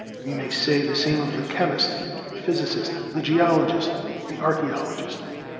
We may say the same of the chemist, the physicist, the geologist, the archaeologist.